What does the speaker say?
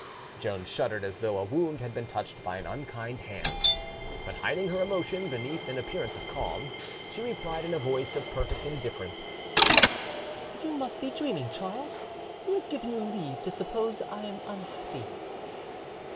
Joan shuddered as though a wound had been touched by an unkind hand; but hiding her emotion beneath an appearance of calm, she replied in a voice of perfect indifference— "You must be dreaming, Charles; who has given you leave to suppose I am unhappy?"